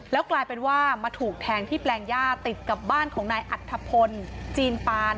แล้วกลายเป็นว่ามาถูกแทงที่แปลงย่าติดกับบ้านของนายอัธพลจีนปาน